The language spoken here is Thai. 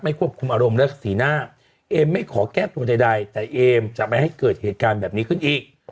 ควบคุมอารมณ์และสีหน้าเอมไม่ขอแก้ตัวใดแต่เอมจะไม่ให้เกิดเหตุการณ์แบบนี้ขึ้นอีก